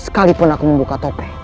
sekalipun aku membuka topek